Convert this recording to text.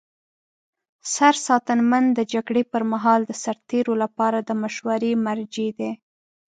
سرساتنمن د جګړې پر مهال د سرتیرو لپاره د مشورې مرجع دی.